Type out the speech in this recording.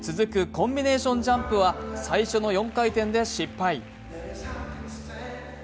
コンビネーションジャンプは最初の４回転で失敗。